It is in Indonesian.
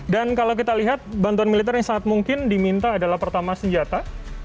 dan kalau kita lihat bantuan militer yang sangat mungkin diminta adalah pertama senjata